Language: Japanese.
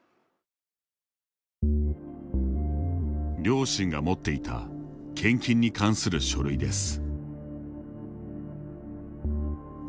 両親が持っていた献金に関する書類です。